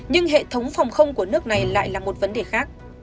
nhưng hệ thống phòng không của nước này lại là một vấn đề khác